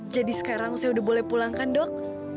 jadi sekarang saya udah boleh pulangkan dok